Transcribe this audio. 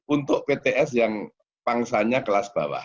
untuk pts yang pangsanya kelas bawah